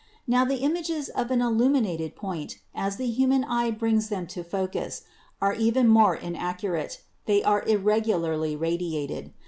Now the images of an illumi nated point, as the human eye brings them to focus, are even more inaccurate: they are irregularly radiated.